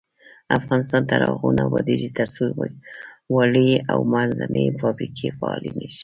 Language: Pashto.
افغانستان تر هغو نه ابادیږي، ترڅو وړې او منځنۍ فابریکې فعالې نشي.